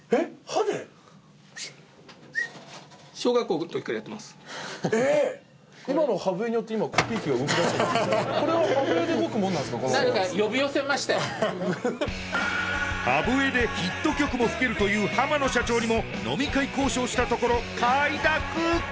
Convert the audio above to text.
歯笛でヒット曲も吹けるという濱野社長にも飲み会交渉したところ快諾！